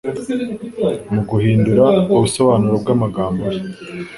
Mu guhindura ubusobanuro bw'amagambo ye,